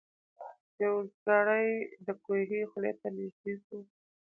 یو اوزګړی د کوهي خولې ته نیژدې سو